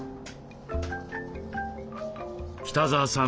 北澤さん